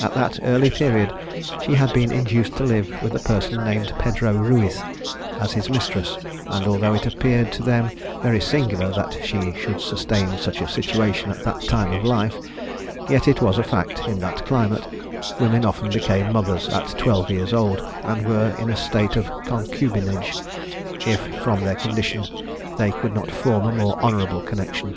At that early period she had been induced to live with a person named Pedro Ruiz, as his mistress; and although it appeared to them very singular that she should sustain such a situation at that time of life, yet it was a fact, that in that climate, women often became mothers at twelve years old, and were in a state of concubinage, if, from their condition, they could not form a more honourable connexion.